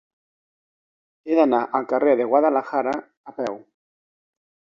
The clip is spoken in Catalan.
He d'anar al carrer de Guadalajara a peu.